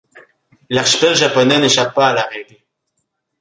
L'archipel japonais n'échappe pas à la règle.